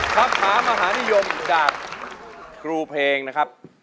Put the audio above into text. คำถามมหานิยมจากครูเพลงนะครับ